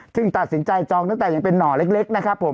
ซึ่งตัดสินใจจองตั้งแต่ยังเป็นห่อเล็กนะครับผม